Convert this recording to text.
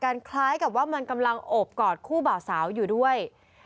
เข้าหาการคล้ายกับว่ามันกำลังอบกอดคู่เบาสาวอยู่ด้วย